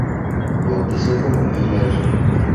Bautizó como Mr.